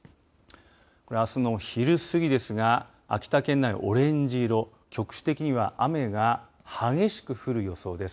これ、あすの昼過ぎですが秋田県内オレンジ色、局地的には雨が激しく降る予想です。